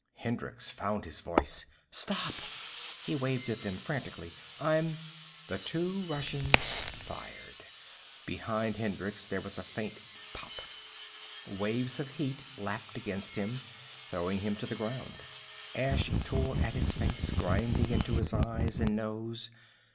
Hendricks found his voice. "Stop!" He waved up at them frantically. "I'm " The two Russians fired. Behind Hendricks there was a faint pop. Waves of heat lapped against him, throwing him to the ground. Ash tore at his face, grinding into his eyes and nose.